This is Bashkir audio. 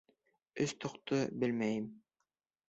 Өс тоҡто белмәйем.